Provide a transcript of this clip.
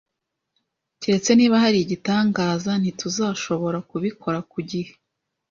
Keretse niba hari igitangaza, ntituzashobora kubikora ku gihe.